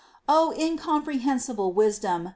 3. O incomprehensible Wisdom